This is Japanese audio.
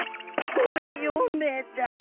ごめんよねえちゃん。